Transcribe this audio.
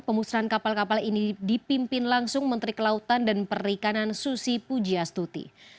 pemusnahan kapal kapal ini dipimpin langsung menteri kelautan dan perikanan susi pujiastuti